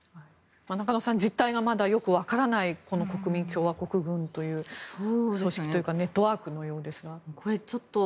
中野さん実態がよく分からない国民共和国軍という組織というかネットワークのようですが。